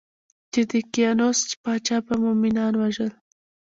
د دقیانوس پاچا به مومنان وژل.